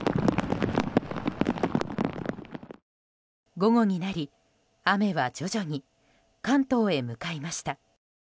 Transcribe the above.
午後になり雨は徐々に関東へ向かいました。